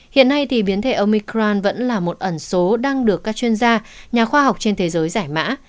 hiện nay thì biến thể omicram vẫn là một ẩn số đang được các chuyên gia nhà khoa học trên thế giới giải mã